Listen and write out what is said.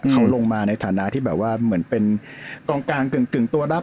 เขาลงมาในฐานะที่แบบว่าเหมือนเป็นกองกลางกึ่งตัวรับ